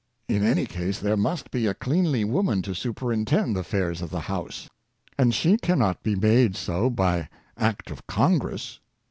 In any case, there must be a cleanly woman to superintend the affairs of the house; and she cannot be made so by act of congress.